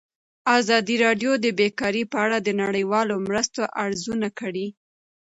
ازادي راډیو د بیکاري په اړه د نړیوالو مرستو ارزونه کړې.